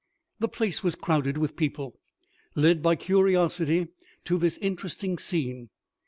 The place was crowded with people, led by curiosity to this interesting scene.